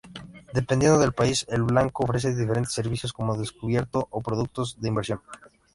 Dependiendo del país el banco ofrece diferentes servicios como descubierto o productos de inversión.